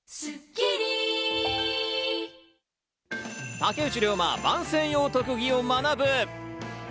竹内涼真、番宣用特技を学ぶ。